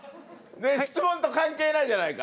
質問と関係ないじゃないか！